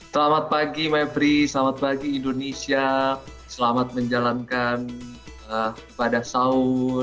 selamat pagi mapri selamat pagi indonesia selamat menjalankan ibadah sahur